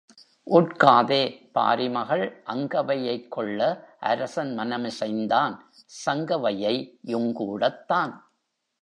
உட்காதே—பாரிமகள் அங்கவையைக் கொள்ள அரசன் மனமிசைந்தான் சங்கவையை யுங்கூடத் தான்.